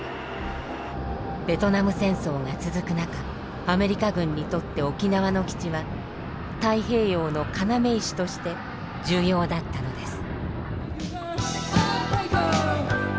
ベトナム戦争が続く中アメリカ軍にとって沖縄の基地は太平洋の要石として重要だったのです。